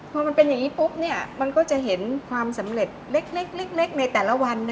พอมันเป็นอย่างนี้ปุ๊บมันก็จะเห็นความสำเร็จเล็กในแต่ละวัน